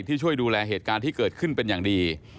ที่ช่วยดูแลเหตุการณ์ที่เกิดขึ้นเป็นอย่างดี